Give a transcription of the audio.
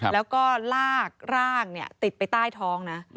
แล้วก็ลากร่างติดไปใต้ท้องนะ